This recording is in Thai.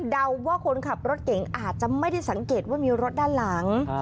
ว่าคนขับรถเก่งอาจจะไม่ได้สังเกตว่ามีรถด้านหลัง